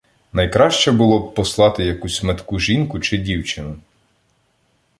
Найкраще було б послати якусь метку жінку чи дівчину.